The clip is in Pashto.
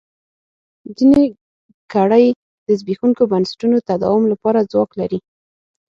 خبیثه کړۍ د زبېښونکو بنسټونو تداوم لپاره ځواک لري.